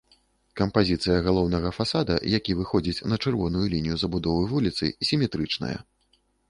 Кампазіцыя галоўнага фасада, які выходзіць на чырвоную лінію забудовы вуліцы, сіметрычная.